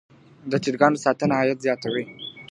د چرګانو ساتنه عاید زیاتوي.